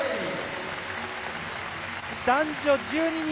男女１２人。